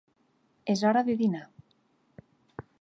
És hora de dinar.